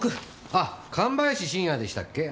あぁ神林信弥でしたっけ？